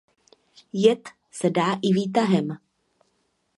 Jet se dá i výtahem.